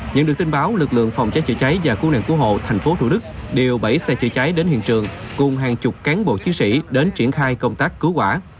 nhận được tin báo lực lượng phòng cháy chữa cháy và khu nạn cứu hộ thành phố thủ đức đều bẫy xe chữa cháy đến hiện trường cùng hàng chục cán bộ chiến sĩ đến triển khai công tác cứu quả